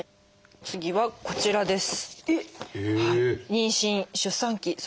次はこちらです。